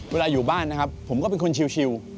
อยู่บ้านนะครับผมก็เป็นคนชิว